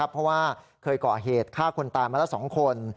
เพราะว่าเคยก่อเหตุฆ่าคนตายมาแล้ว๒คน